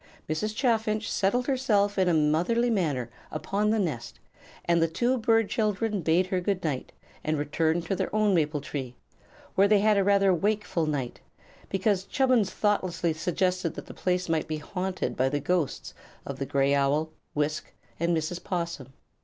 Mrs. Chaffinch settled herself in a motherly manner upon the nest, and the two bird children bade her good night and returned to their own maple tree, where they had a rather wakeful night, because Chubbins thoughtlessly suggested that the place might be haunted by the ghosts of the gray owl, Wisk, and Mrs. 'Possum.